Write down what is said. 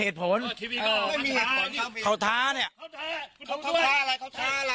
เอ้าพอพี่บอกว่าเว้ยเว้ยก่อนทำไมอ่ะ